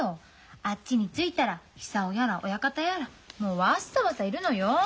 あっちに着いたら久男やら親方やらもうワッサワサいるのよ。